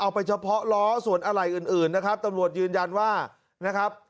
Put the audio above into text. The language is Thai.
ไปเฉพาะล้อส่วนอะไรอื่นนะครับตำรวจยืนยันว่านะครับ